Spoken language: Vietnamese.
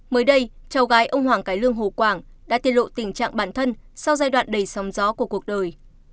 mới đây cháu gái ông hoàng cái lương hồ quảng đã tiên lộ tình trạng bản thân sau giai đoạn đầy sóng gió của cuộc đời